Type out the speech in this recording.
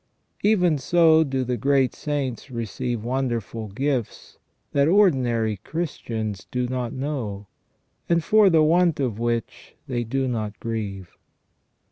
Even so do the great saints receive wonderful gifts that ordinary Christians do not know, and for the want of which they do not grieve.